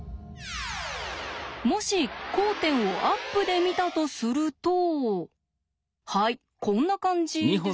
もし交点をアップで見たとするとはいこんな感じですよね。